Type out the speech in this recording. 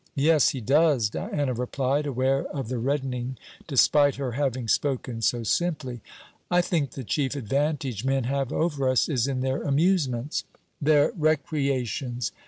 'Yes, he does,' Diana replied, aware of the reddening despite her having spoken so simply. 'I think the chief advantage men have over us is in their amusements.' 'Their recreations.'